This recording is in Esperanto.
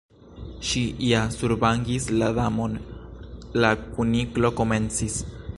"Ŝi ja survangis la Damon " la Kuniklo komencis.